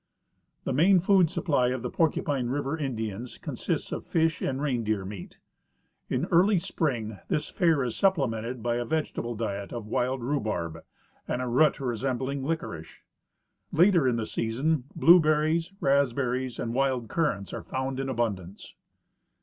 The main food supply of the Porcupine River Indians consists of fish and reindeer meat. In early spring this fare is supple mented by a vegetable diet of wild rhubarb and a root resem bling licorice. Later in the season blueberries, raspberries and wild currants are found in abundance.